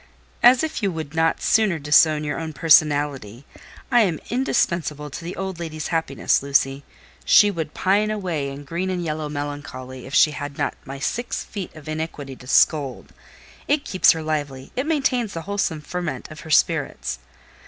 "As if you could not sooner disown your own personality! I am indispensable to the old lady's happiness, Lucy. She would pine away in green and yellow melancholy if she had not my six feet of iniquity to scold. It keeps her lively—it maintains the wholesome ferment of her spirits."